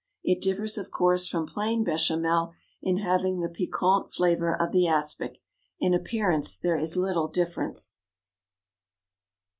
It differs, of course, from plain béchamel in having the piquant flavor of the aspic; in appearance there is little difference.